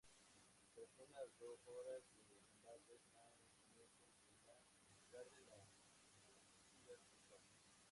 Tras unas dos horas de combates, a comienzos de la tarde, la acometida cesó.